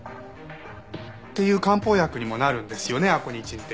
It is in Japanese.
っていう漢方薬にもなるんですよねアコニチンって。